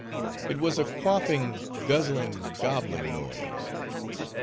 It was a quaffing, guzzling, gobbling noise.